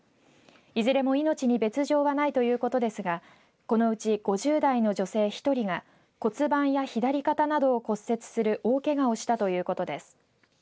いずれも命に別状はないということですがこのうち５０代の女性１人が骨盤や左肩などを骨折する大けがをしたということです。